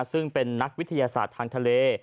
ซึ่งเป็นนักวิทยาศาสตร์ทางทะเล